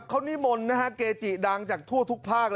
เขานิมนต์เกจิดังจากทั่วทุกภาค